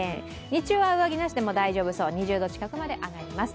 日中は上着なしでも大丈夫そう、２０度近くまで上がります。